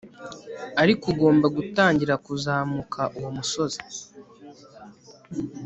ariko ugomba gutangira kuzamuka uwo musozi